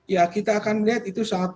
ya kita akan melihat itu sangat